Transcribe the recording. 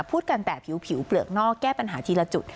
ผิวผิวเปลือกนอกแก้ปัญหาทีละจุด